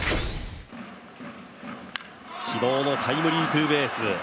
昨日のタイムリーツーベース。